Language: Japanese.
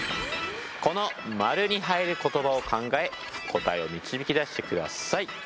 この丸に入る言葉を考え答えを導き出してください。